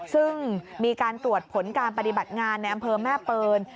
ซึ่งมีการตรวจผลการปฏิบัติงานในอำเภอแม่เปิล